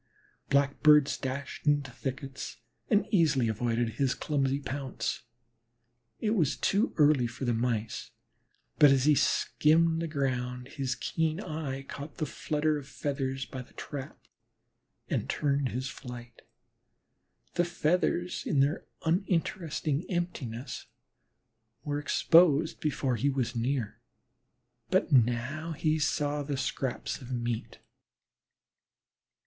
Blackbirds dashed into thickets, and easily avoided his clumsy pounce. It was too early for the Mice, but, as he skimmed the ground, his keen eye caught the flutter of feathers by the trap and turned his flight. The feathers in their uninteresting emptiness were exposed before he was near, but now he saw the scraps of meat.